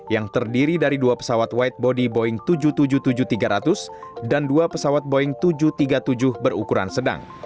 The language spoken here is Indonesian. yang terdiri dari dua pesawat white body boeing tujuh ratus tujuh puluh tujuh tiga ratus dan dua pesawat boeing tujuh ratus tiga puluh tujuh berukuran sedang